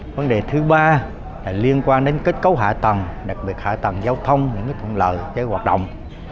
vấn đề thứ ba là liên quan đến kết cấu hạ tầng đặc biệt hạ tầng giao thông những cái thủng lợi cái hoạt động